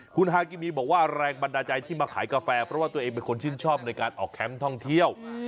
คุณฮากินีบอกว่าแรงบันดาลใจที่มาขายกาแฟเพราะว่าตัวเองเป็นคนชื่นชอบในการออกแคมป์ท่องเที่ยว